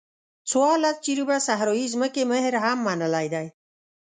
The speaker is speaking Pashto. څوارلس جریبه صحرایي ځمکې مهر هم منلی دی.